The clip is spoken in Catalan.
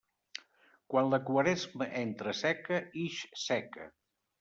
Quan la Quaresma entra seca, ix seca.